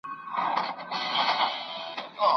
ایا ته د ارواپوهني په اهمیت خبر یې؟